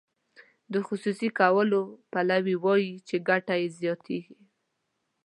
د خصوصي کولو پلوي وایي چې ګټه یې زیاتیږي.